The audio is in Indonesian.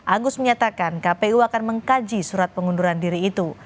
agus menyatakan kpu akan mengkaji surat pengunduran diri itu